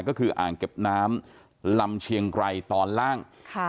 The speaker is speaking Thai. ก็คืออ่างเก็บน้ำลำเชียงไกรตอนล่าง